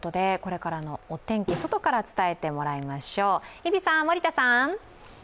日比さん、森田さん。